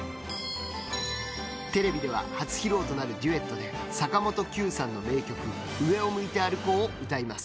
テレビでは初披露となるデュエットで坂本九さんの名曲「上を向いて歩こう」を歌います。